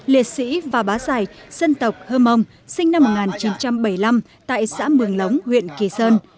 liệt sĩ và bá giải dân tộc hơ mông sinh năm một nghìn chín trăm bảy mươi năm tại xã mường lống huyện kỳ sơn